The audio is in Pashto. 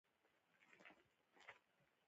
احمد ښه سم ځان په چاړه وهلی دی.